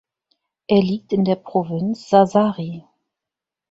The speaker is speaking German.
Er liegt in der Provinz Sassari.